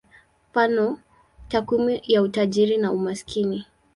Mfano: takwimu ya utajiri na umaskini.